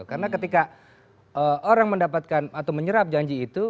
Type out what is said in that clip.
karena ketika orang mendapatkan atau menyerap janji itu